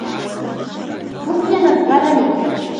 Pukllanata qarayan.